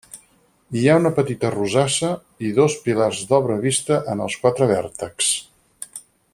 Hi ha una petita rosassa i dos pilars d'obra vista en els quatre vèrtexs.